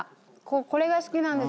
これが好きなんです。